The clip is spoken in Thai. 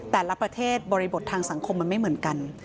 แต่ละประเทศบริบททางสังคมมันไม่เหมือนกัน